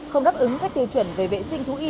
không đáp ứng các tiêu chuẩn về vệ sinh thú y